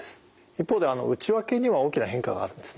一方で内訳には大きな変化があるんですね。